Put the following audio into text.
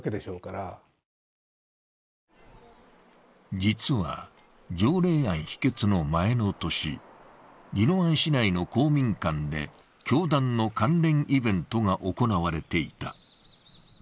実は条例案否決の前の年、宜野湾市内の公民館で教団の関連イベントが行われていた。